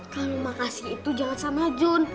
kalau makasih itu jangan sama jun